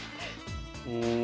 うん。